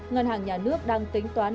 ngân hàng nhà nước đang tính toán